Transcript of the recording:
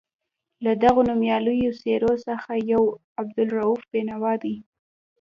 له دغو نومیالیو څېرو څخه یو عبدالرؤف بېنوا دی.